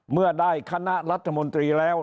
เมื่อได้คณะรัฐมนตรีแล้ว